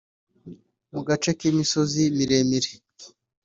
Mu gace k’imisozi miremire